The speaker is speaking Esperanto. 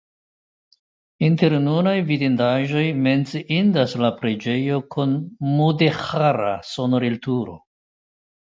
Inter nunaj vidindaĵoj menciindas la preĝejo kun mudeĥara sonorilturo.